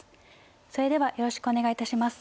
それではよろしくお願いいたします。